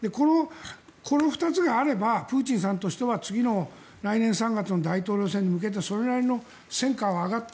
この２つがあればプーチンさんとしては次の来年３月の大統領選に向けてそれなりの戦果は上がった。